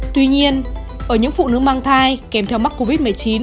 tuy nhiên ở những phụ nữ mang thai kèm theo mắc covid một mươi chín